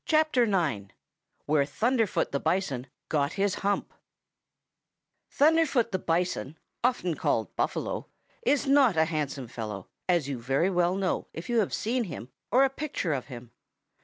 _] IX WHERE THUNDERFOOT THE BISON GOT HIS HUMP Thunderfoot the Bison, often called Buffalo, is not a handsome fellow, as you very well know if you have seen him or a picture of him.